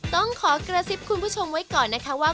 ต้องขอกระซิบคุณผู้ชมไว้ก่อนนะคะว่า